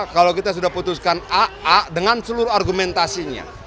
kalau kita sudah putuskan aa dengan seluruh argumentasinya